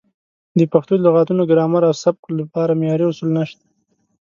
د پښتو د لغتونو، ګرامر او سبک لپاره معیاري اصول نشته.